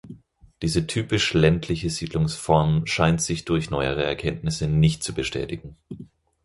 Diese typisch ländliche Siedlungsform scheint sich durch neuere Erkenntnisse nicht zu bestätigen.